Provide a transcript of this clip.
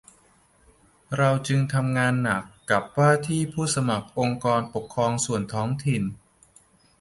เราจึงทำงานหนักร่วมกับว่าที่ผู้สมัครองค์กรปกครองส่วนท้องถิ่น